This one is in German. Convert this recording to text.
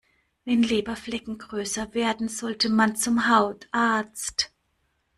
Wenn Leberflecken größer werden, sollte man zum Hautarzt.